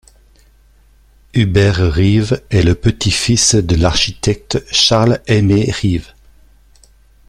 Hubert Reeves est le petit-fils de l'architecte Charles-Aimé Reeves.